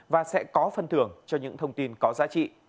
và sẽ có phân thưởng cho những thông tin có giá trị